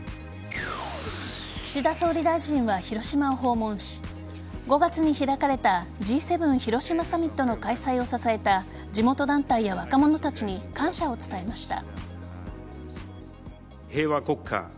岸田総理大臣は広島を訪問し５月に開かれたＧ７広島サミットの開催を支えた地元団体や若者たちに感謝を伝えました。